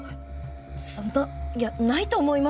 そんないやないと思いますけど。